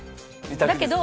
だけど。